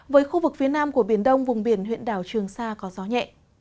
với khu vực phía nam của biển đông vùng biển huyện đảo trường sa có gió nhẹ